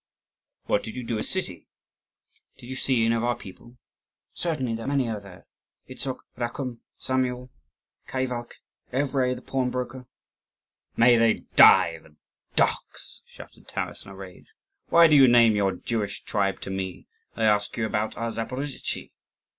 "What did you do in the city? Did you see any of our people?" "Certainly, there are many of them there: Itzok, Rachum, Samuel, Khaivalkh, Evrei the pawnbroker " "May they die, the dogs!" shouted Taras in a rage. "Why do you name your Jewish tribe to me? I ask you about our Zaporozhtzi."